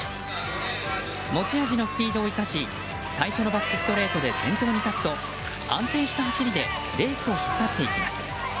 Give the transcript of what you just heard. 持ち味のスピードを生かし最初のバックストレートで先頭に立つと安定した走りでレースを引っ張っていきます。